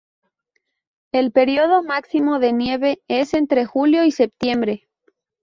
El período máximo de nieve es entre julio y septiembre.